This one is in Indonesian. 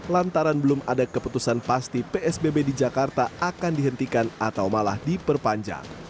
lantaran belum ada keputusan pasti psbb di jakarta akan dihentikan atau malah diperpanjang